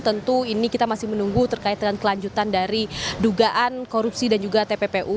tentu ini kita masih menunggu terkait dengan kelanjutan dari dugaan korupsi dan juga tppu